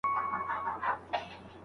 زه او د هغه لور پاته سوو.